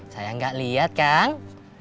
saya enggak liat kang